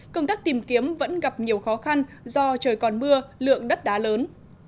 công tác tìm kiếm vẫn gặp nhiều khó khăn do trời còn mưa lượng đất đá lớn